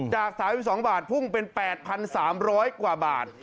จาก๓๒บาทพุ่งเป็น๘๓๐๐กว่าบาท